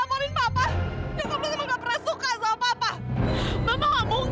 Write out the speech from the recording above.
terus terusan sama mama gimana